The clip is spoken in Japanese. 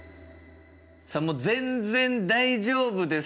さあもう全然大丈夫ですと。